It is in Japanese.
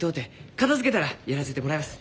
片づけたらやらせてもらいます。